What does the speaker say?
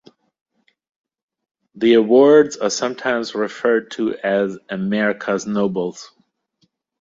The awards are sometimes referred to as "America's Nobels".